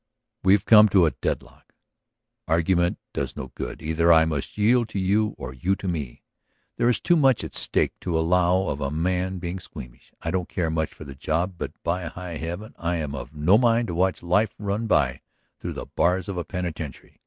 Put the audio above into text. "We have come to a deadlock; argument does no good. Either I must yield to you or you to me. There is too much at stake to allow of a man being squeamish. I don't care much for the job, but by high Heaven I am of no mind to watch life run by through the bars of a penitentiary.